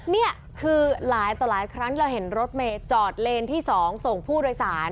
นี่คือหลายต่อหลายครั้งเราเห็นรถเมย์จอดเลนที่๒ส่งผู้โดยสาร